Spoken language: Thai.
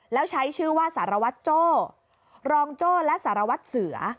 แล้วใช้ชื่อว่าสารวัตรโจ้รองโจ้และสารวัตรเสือ